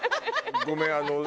ごめん。